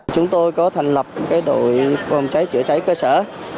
chúng tôi có thành lập đội phòng cháy chữa cháy cơ sở